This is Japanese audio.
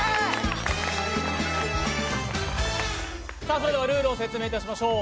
それではルールを説明いたしましょう。